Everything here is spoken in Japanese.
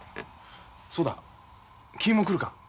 そうだ君も来るか？